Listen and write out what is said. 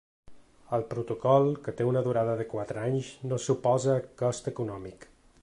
El protocol, que té una durada de quatre anys, no suposa cost econòmic.